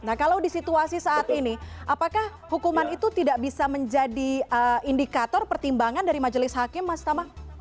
nah kalau di situasi saat ini apakah hukuman itu tidak bisa menjadi indikator pertimbangan dari majelis hakim mas tama